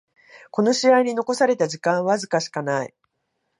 この試合に残された時間はわずかしかない